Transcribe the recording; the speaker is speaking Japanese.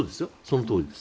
そのとおりです。